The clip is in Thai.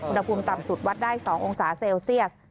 อุณหภูมิต่ำสุดวัดได้๒องศาเซลเซียส